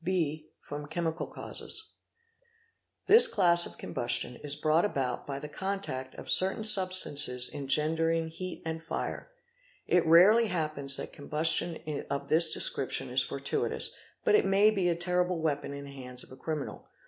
| B. From Chemical causes, This class of combustion is brought about by the contact of certain ; substances engendering heat and fire. It rarely happens that combustion _ of this description is fortuitous, but it may be a terrible weapon in the — hands of a criminal.